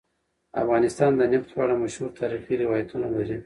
افغانستان د نفت په اړه مشهور تاریخی روایتونه لري.